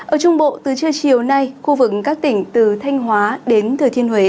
ở trung bộ từ trưa chiều nay khu vực các tỉnh từ thanh hóa đến thừa thiên huế